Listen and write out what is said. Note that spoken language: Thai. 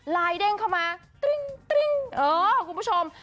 ไลน์เด้งเข้ามาตริ้งคุณผู้ชม